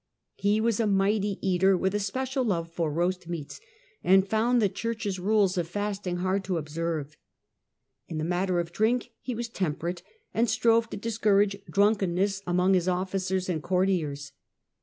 f Charles He was a mighty eater, with a special love for roast meats, and found the Church's rules of fasting hard to observe. In the matter of drink he was temperate, and strove to discourage drunkenness among his officers and courtiers.